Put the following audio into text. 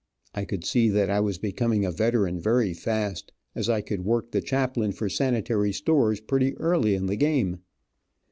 I could see that I was becoming a veteran very fast, as I could work the chaplain for sanitary stores pretty early in the game.